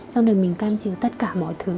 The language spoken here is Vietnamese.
xong rồi mình can chịu tất cả mọi thứ